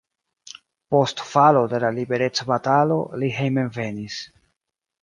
Post falo de la liberecbatalo li hejmenvenis.